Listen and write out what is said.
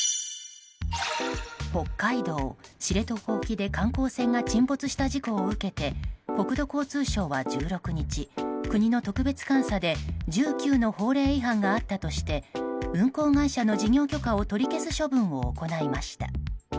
北海道知床沖で観光船が沈没した事故を受けて国土交通省は１６日国の特別監査で１９の法令違反があったとして運航会社の事業許可を取り消す処分を行いました。